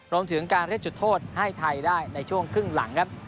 รวมถึงการเรียกจุดโทษให้ไทยได้ในช่วงครึ่งหลังครับ